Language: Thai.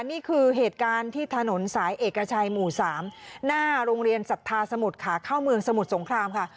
นี่คือเหตุการณ์ที่ถนนสายเอกชัยหมู่๓หน้าโรงเรียนศรัทธาสมุทรขาเข้าเมืองสมุทรสงครามค่ะ